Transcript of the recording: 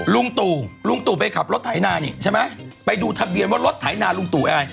ลุงตู่ลุงตู่ไปขับรถไถนานี่ใช่ไหมไปดูทะเบียนว่ารถไถนาลุงตู่อะไร